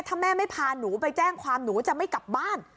ถ้าแม่ไม่พาหนูไปแจ้งความหนูจะไม่กลับบ้าน